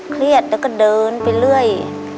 เครียดแล้วก็เดินไปเรื่อย